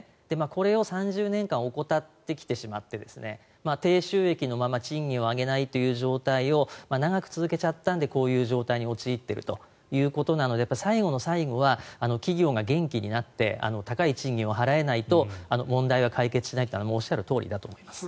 これを３０年間怠ってきてしまって低収益のまま賃金を上げないという状態を長く続けちゃったのでこういう状態に陥っているということなので最後の最後は企業が元気になって高い賃金を払えないと問題は解決しないとはおっしゃるとおりだと思います。